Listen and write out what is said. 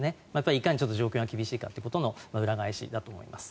いかに状況が厳しいかということの裏返しだと思います。